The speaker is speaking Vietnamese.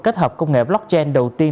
kết hợp công nghệ blockchain đầu tiên